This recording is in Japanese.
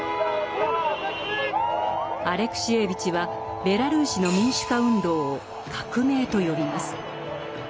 アレクシエーヴィチはベラルーシの民主化運動を「革命」と呼びます。